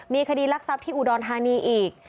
มีคดีรักทรัพย์ที่อุดรธานีอีก